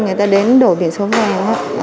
người ta đến đổi biển số vàng